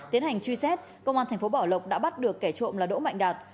tiến hành truy xét công an tp bảo lộc đã bắt được kẻ trộm là đỗ mạnh đạt